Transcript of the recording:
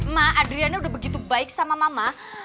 mak adriana udah begitu baik sama mama